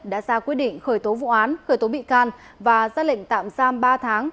đã ra quyết định khởi tố vụ án khởi tố bị can và ra lệnh tạm giam ba tháng